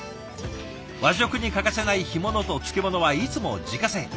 和食に欠かせない干物と漬物はいつも自家製。